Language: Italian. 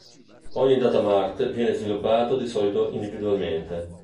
Ogni "data mart" viene sviluppato di solito individualmente.